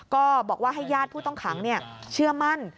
ก็บอกว่าให้ญาติผู้ต้องขังเชื่อมั่น